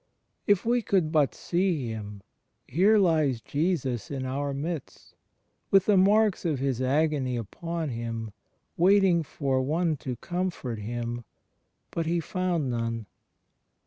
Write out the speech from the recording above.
If we could but see Him, here lies Jesus in our midst, with the marks of His agony upon Him, waiting for "one to comfort" Him, but He "foimd none."